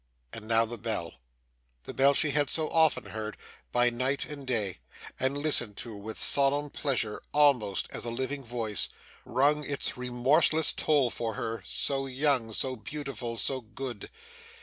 And now the bell the bell she had so often heard, by night and day, and listened to with solemn pleasure almost as a living voice rung its remorseless toll, for her, so young, so beautiful, so good.